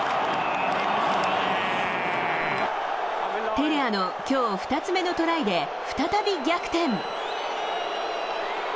テレアのきょう２つ目のトライで再び逆転。